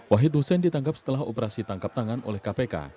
wahid hussein ditangkap setelah operasi tangkap tangan oleh kpk